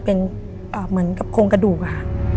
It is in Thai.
เป็นเหมือนกับโครงกระดูกอะค่ะ